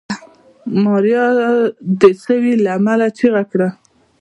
ماريا د سوي له امله چيغه کړه.